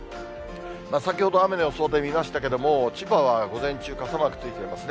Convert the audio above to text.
先ほど雨の予想で見ましたけれども、千葉は午前中、傘マークついてますね。